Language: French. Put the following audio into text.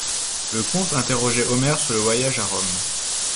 Le comte interrogeait Omer sur le voyage à Rome.